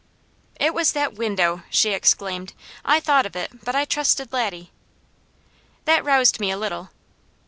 "It was that window!" she exclaimed. "I thought of it, but I trusted Laddie." That roused me a little.